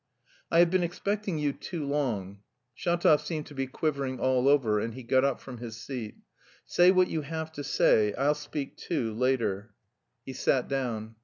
"I have been expecting you too long." Shatov seemed to be quivering all over, and he got up from his seat. "Say what you have to say... I'll speak too... later." He sat down.